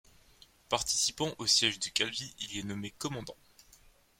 Participant au siège de Calvi, il y est nommé commandant.